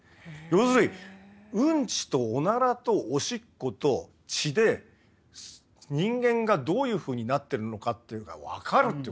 要するにうんちとおならとおしっこと血で人間がどういうふうになってるのかっていうのが分かるってこと。